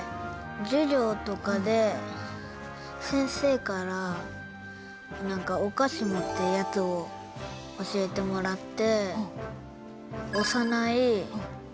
授業とかで先生から「おかしも」ってやつを教えてもらって。